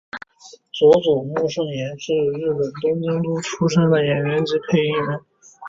佐佐木胜彦是日本东京都出身的演员及配音员。